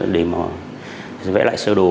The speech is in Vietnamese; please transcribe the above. để mà vẽ lại sơ đồ